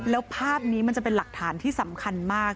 แล้วภาพนี้มันจะเป็นหลักฐานที่สำคัญมาก